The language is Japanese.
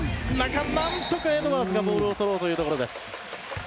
何とかエドワーズがボールをとろうというところです。